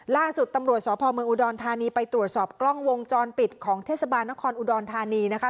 ล่าสุดตำรวจสพเมืองอุดรธานีไปตรวจสอบกล้องวงจรปิดของเทศบาลนครอุดรธานีนะคะ